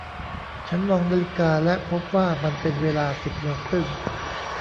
ฉันมองนาฬิกาและพบว่ามันเป็นเวลาสิบโมงครึ่ง